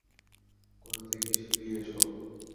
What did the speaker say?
কোথা থেকে শিখলি এসব?